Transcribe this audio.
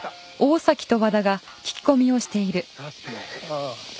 ああ。